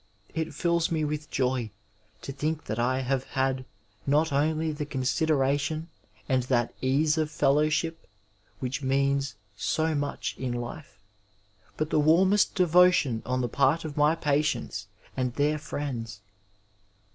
It fills me with joy to think that I have had not only the consideration and that ease of fellowship which means so much in life, but the warmest devotion on tbe part of my patients and their friends.